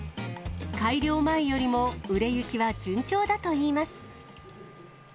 改良前よりも売れ行きは順調だといいます。